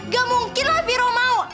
gak mungkin lah viro mau